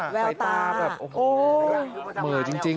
ใส่ตาแบบโอ้โห